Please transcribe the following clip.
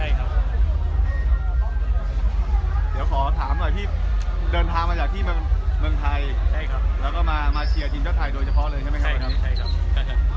เดี๋ยวขอถามหน่อยที่เดินทางมาจากที่เมืองไทยใช่ครับแล้วก็มาเชียร์ทีมชาติไทยโดยเฉพาะเลยใช่ไหมครับใช่ครับ